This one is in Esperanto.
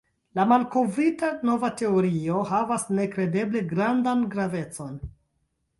La malkovrita nova teorio havas nekredeble grandan gravecon.